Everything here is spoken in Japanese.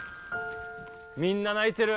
みんな泣いてる。